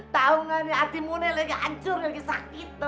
tahu gak nih hatimu ini lagi hancur lagi sakit